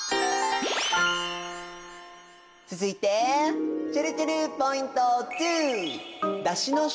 続いてちぇるちぇるポイント２。